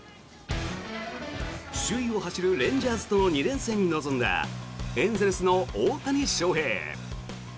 首位を走るレンジャーズと２連戦に臨んだエンゼルスの大谷翔平。